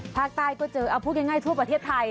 ภาคใต้ก็เจอเอาพูดง่ายทั่วประเทศไทย